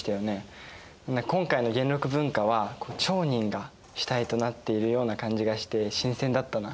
今回の元禄文化は町人が主体となっているような感じがして新鮮だったな。